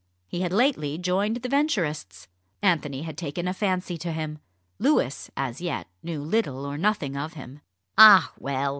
He had lately joined the Venturists. Anthony had taken a fancy to him. Louis as yet knew little or nothing of him. "Ah, well!"